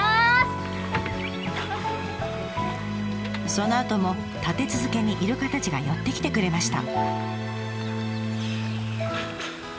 そのあとも立て続けにイルカたちが寄ってきてくれました。